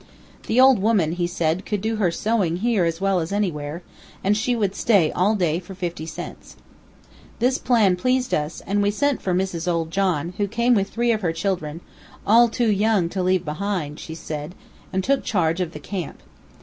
The old woman, he said, could do her sewing here as well as anywhere, and she would stay all day for fifty cents. This plan pleased us, and we sent for Mrs. Old John, who came with three of her children, all too young to leave behind, she said, and took charge of the camp.